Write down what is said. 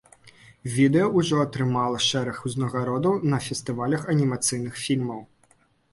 Відэа ўжо атрымала шэраг узнагародаў на фестывалях анімацыйных фільмаў.